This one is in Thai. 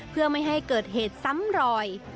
เพื่อไม่ให้เกิดเหตุซ้ำรอย